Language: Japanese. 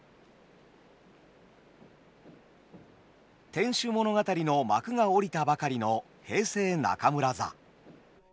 「天守物語」の幕が下りたばかりの平成中村座。